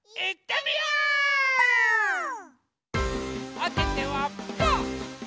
おててはパー！